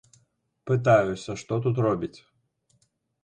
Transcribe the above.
Пытаюся, што тут робіць.